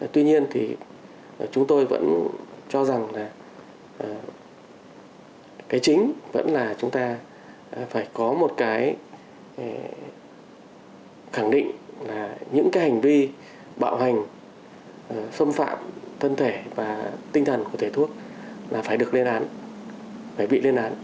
tuy nhiên thì chúng tôi vẫn cho rằng là cái chính vẫn là chúng ta phải có một cái khẳng định là những cái hành vi bạo hành xâm phạm thân thể và tinh thần của thầy thuốc là phải được lên án phải bị lên án